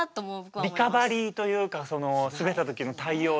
リカバリーというかそのスベった時の対応で。